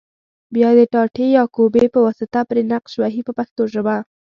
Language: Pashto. بیا د ټاټې یا کوبې په واسطه پرې نقش وهي په پښتو ژبه.